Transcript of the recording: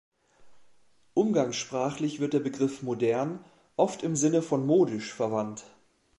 Umgangssprachlich wird der Begriff „modern“ oft im Sinne von „modisch“ verwandt.